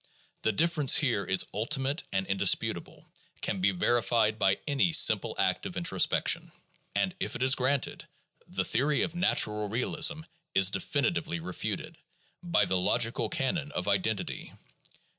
The difference here is ultimate and indisputable, can be verified by any simple act of introspection. And if it is granted, the theory of natural realism is definitely refuted, by the logical canon of identity.